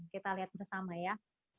kita lihat bersama ya